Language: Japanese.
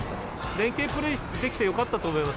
連係プレーできてよかったと思います。